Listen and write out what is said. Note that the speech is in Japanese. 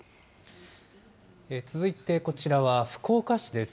続いて、こちらは福岡市です。